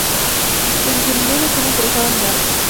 Desde su niñez estuvo interesado en el arte.